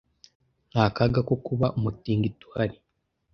Nta kaga ko kuba umutingito uhari